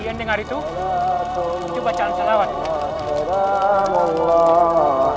sebentar lagi pondok akan rumuh